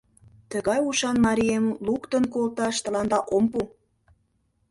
Тыгай ушан марием луктын колташ тыланда ом пу!..